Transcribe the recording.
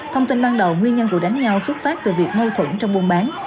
thông tin ban đầu nguyên nhân vụ đánh nhau xuất phát từ việc mâu thuẫn trong buôn bán